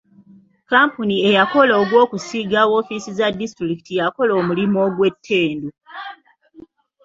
Kkampuni eyakola ogw'okusiiga woofiisi za disitulikiti yakola omulimu ogw'ettendo.